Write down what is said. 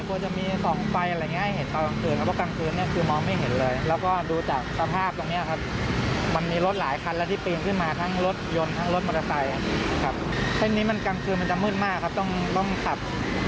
โอ้โหผมว่าต้องเพิ่มหลายจุดเลยนะครับ